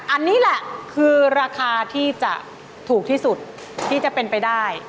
อันนี้แหละคือราคาที่จะถูกที่สุดที่จะเป็นไปได้